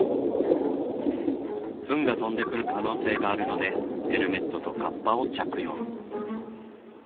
ふんが飛んでくる可能性があるのでヘルメットとカッパを着用。